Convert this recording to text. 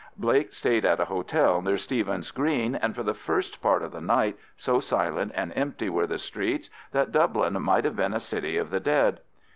Blake stayed at a hotel near Stephen's Green, and for the first part of the night, so silent and empty were the streets, that Dublin might have been a city of the dead.